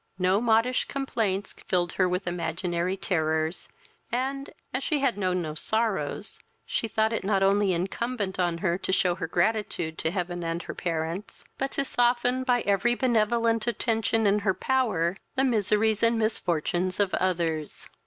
No modish complaints filled her with imaginary terrors, and, as she had known no sorrows, she thought it not only incumbent on her to shew her gratitude to heaven and her parents, but to soften, by every benevolent attention in her power, the miseries and misfortunes of others.